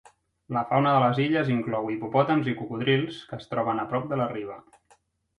La fauna de les illes inclou hipopòtams i cocodrils, que es troben a prop de la riba.